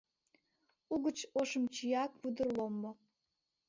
Угыч ошым чия кудыр ломбо.